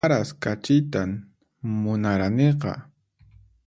Maras kachitan munaraniqa